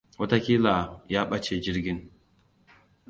Wataƙila ya ɓace jirgin.